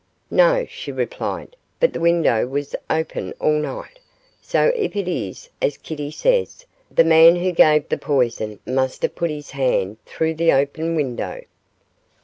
'No,' she replied, 'but the window was open all night; so if it is as Kitty says, the man who gave the poison must have put his hand through the open window.